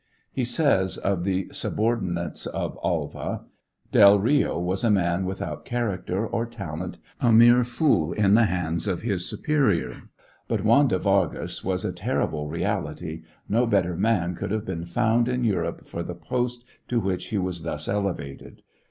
He says of the subordinates of Alva : Del Eio was a man without character or talent, a mere fool in the hands of his superior ; hut Juan de Vargas was a terrible reality — no better man could hare been fouud in Europe for the post to which he was thus elevated.